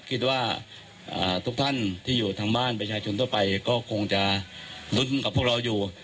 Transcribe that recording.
คิดว่าทุกท่านที่อยู่ทางบ้านประชาชนทั่วไปก็คงจะลุ้นกับพวกเราอยู่